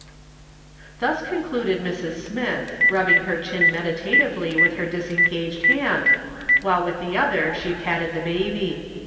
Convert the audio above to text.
Thus concluded Mrs. Smith, rubbing her chin meditatively with her disengaged hand, while with the other she patted the baby.